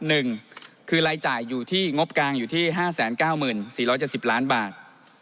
หนึ่งคือรายจ่ายอยู่ที่งบกลางอยู่ที่๕๙๔๗๐ล้านบาท